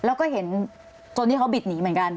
แล้วก็เห็นคนที่เขาบิดหนีเหมือนกัน